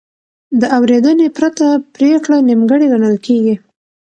د اورېدنې پرته پرېکړه نیمګړې ګڼل کېږي.